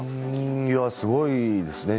すごいですね。